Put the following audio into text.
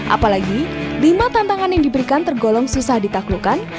apalagi lima tantangan yang diberikan tergolong susah ditaklukkan